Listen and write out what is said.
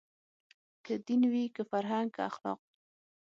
که دین وي که فرهنګ که اخلاق